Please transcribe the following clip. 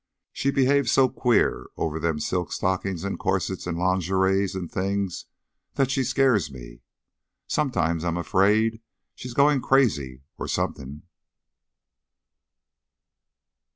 "She behaves so queer over them silk stockin's an' corsets an' lingeries an' things that she skeers me. Sometimes I'm afeerd she's goin' crazy or something."